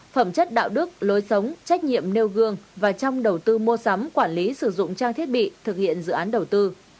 phẩm chất đạo đức lối sống trách nhiệm nêu gương và trong đầu tư mua sắm quản lý sử dụng trang thiết bị thực hiện dự án đầu tư